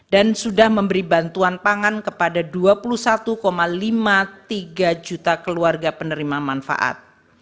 dan sudah memberi bantuan pangan kepada dua puluh satu lima puluh tiga juta keluarga penerima manfaat